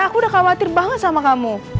aku udah khawatir banget sama kamu